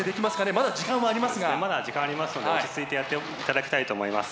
まだ時間はありますので落ち着いてやって頂きたいと思います。